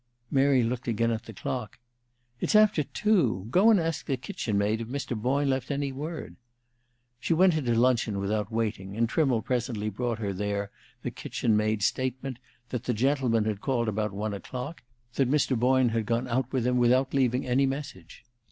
Mary looked again at the clock. "It's after two! Go and ask the kitchen maid if Mr. Boyne left any word." She went into luncheon without waiting, and Trimmle presently brought her there the kitchen maid's statement that the gentleman had called about one o'clock, that Mr. Boyne had gone out with him without leaving any message.